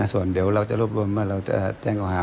ส่วนเดี๋ยวเราจะรวบรวมว่าเราจะแจ้งเขาหา